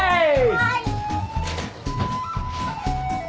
はい。